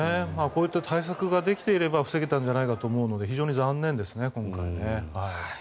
対策ができていれば防げていたんじゃないかと思うので非常に残念ですね、今回。